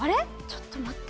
ちょっと待って。